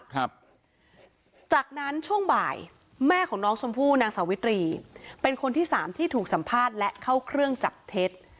ครับจากนั้นช่วงบ่ายแม่ของน้องชมพู่นางสาวิตรีเป็นคนที่สามที่ถูกสัมภาษณ์และเข้าเครื่องจับเท็จ